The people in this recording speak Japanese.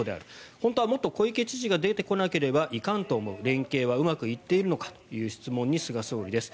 本当はもっと小池知事が出てこなければいかんと思う連携はうまくいっているのかという質問に菅総理です。